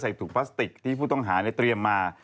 ใส่ถูกพลาสติกที่ผู้ต้องหาเรียบมา